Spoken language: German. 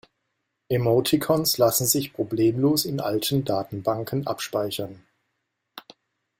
Emoticons lassen sich problemlos in alten Datenbanken abspeichern.